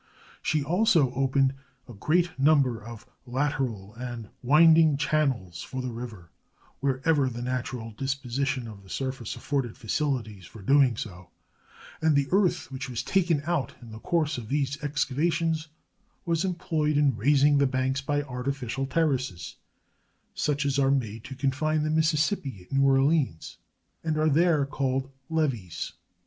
She also opened a great number of lateral and winding channels for the river, wherever the natural disposition of the surface afforded facilities for doing so, and the earth which was taken out in the course of these excavations was employed in rais ing the banks by artificial terraces, such as are made to confine the Mississippi at New Orleans, and are there called ''levees.